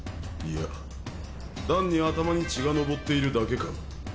いや単に頭に血が上っているだけか。